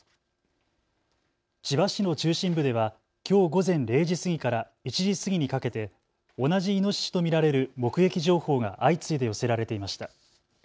千葉市の中心部ではきょう午前０時過ぎから１時過ぎにかけて同じイノシシと見られる目撃情報が相次いで寄せられていました。